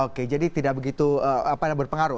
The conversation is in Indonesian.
oke jadi tidak begitu berpengaruh